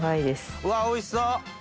うわおいしそう！